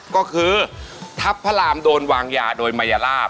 ก็คือทัพพระรามโดนวางยาโดยมัยลาบ